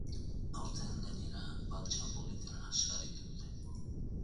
Aurten, gainera, baltsa politena sarituko dute.